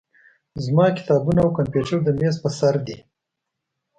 زما کتابونه او کمپیوټر د میز په سر دي.